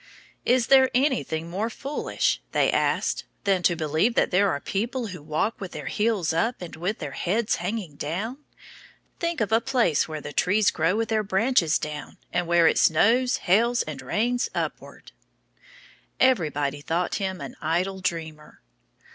"Is there anything more foolish," they asked, "than to believe that there are people who walk with their heels up and with their heads hanging down?" "Think of a place where the trees grow with their branches down, and where it snows, hails, and rains upward!" Everybody thought him an idle dreamer.